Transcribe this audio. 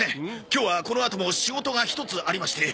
今日はこのあとも仕事が１つありまして。